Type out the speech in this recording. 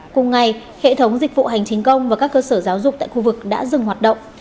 cùng ngày hệ thống dịch vụ hành chính công và các cơ sở giáo dục tại khu vực đã dừng hoạt động